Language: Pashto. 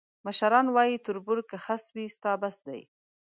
مشران وایي: تربور که خس وي، ستا بس دی.